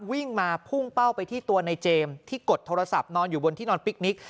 วิ่งมาพุ่งเป้าไปที่ตัวในเจมส์ที่กดโทรศัพท์นอนอยู่บนที่นอนปิ๊กนิก